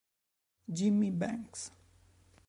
Jimmy Banks